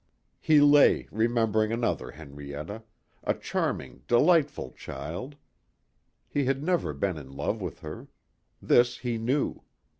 He lay remembering another Henrietta a charming, delightful child. He had never been in love with her. This he knew.